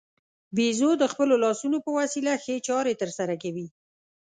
بیزو د خپلو لاسونو په وسیله ښې چارې ترسره کوي.